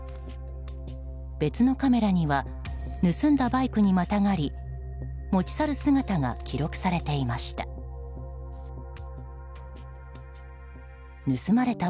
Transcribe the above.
別のカメラには盗んだバイクにまたがり持ち去る姿が記録されていました。